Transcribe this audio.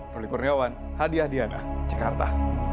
roly purniawan hadiah diana jakarta